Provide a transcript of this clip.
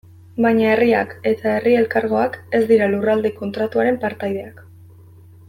Baina herriak eta herri elkargoak ez dira Lurralde Kontratuaren partaideak.